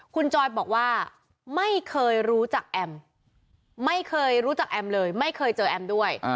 คุณจอยบอกว่าไม่เคยรู้จักแอมไม่เคยรู้จักแอมเลยไม่เคยเจอแอมด้วย